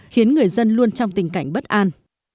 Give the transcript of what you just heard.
khiến người dân luôn trong tình cảnh bất an